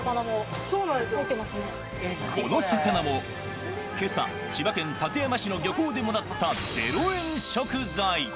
この魚もけさ、千葉県館山市の漁港でもらった０円食材。